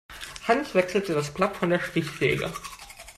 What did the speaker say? Hans wechselte das Blatt von der Stichsäge.